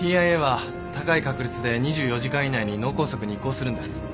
ＴＩＡは高い確率で２４時間以内に脳梗塞に移行するんです。